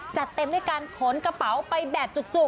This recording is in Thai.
จัดเต็มด้วยการขนกระเป๋าไปแบบจุก